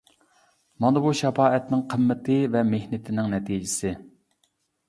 مانا بۇ شاپائەتنىڭ قىممىتى ۋە مېھنىتىنىڭ نەتىجىسى.